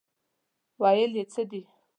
ویل یې څه دي.